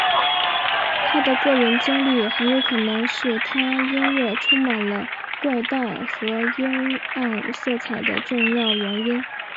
他的个人经历很有可能是他音乐充满了怪诞和阴暗色彩的重要原因。